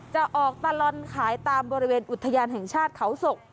จะออกตลอนขายตามบริเวณอุทยานแห่งชาติเขาศก